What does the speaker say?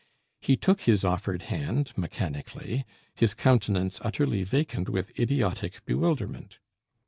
He took his offered hand mechanically, his countenance utterly vacant with idiotic bewilderment.